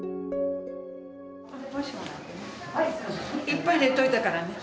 いっぱい入れといたからね。